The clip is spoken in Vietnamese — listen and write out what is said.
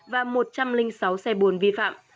và một trăm linh sáu xe buồn vi phạm